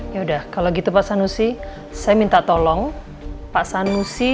ya udah kalau gitu pak sanusi saya minta tolong pak sanusi